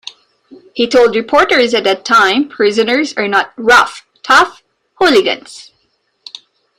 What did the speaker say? He told reporters at the time, Prisoners are not rough, tough hooligans.